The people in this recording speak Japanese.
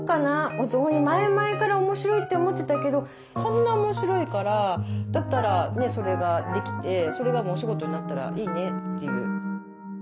お雑煮前々から面白いって思ってたけどこんな面白いからだったらそれができてそれがもうお仕事になったらいいねっていう。